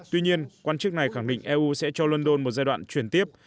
tuy nhiên quan chức này khẳng định eu sẽ cho london một giai đoạn chuyển tiếp